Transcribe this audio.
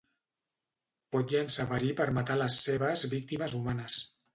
Pot llançar verí per matar les seves víctimes humanes.